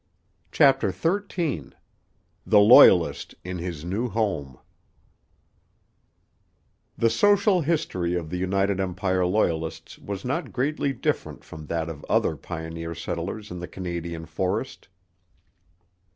CHAPTER XIII THE LOYALIST IN HIS NEW HOME The social history of the United Empire Loyalists was not greatly different from that of other pioneer settlers in the Canadian forest.